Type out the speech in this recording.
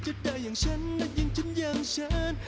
จะได้อย่างฉันและอย่างฉันอย่างฉัน